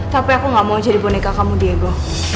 tapi aku gak mau jadi boneka kamu diego